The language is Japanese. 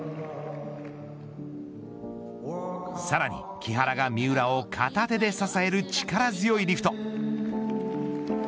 さらに木原が三浦を片手で支える力強いリフト。